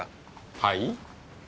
はい？